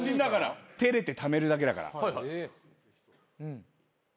照れて溜めるだけだから。